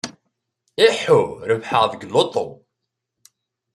Iḥḥu! Rebḥeɣ deg luṭu.